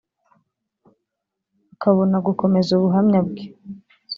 akabona gukomeza ubuhamya bwe